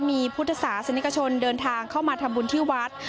มีพุทธศาสนิกชนเดินทางเข้ามาทำบุญที่วัด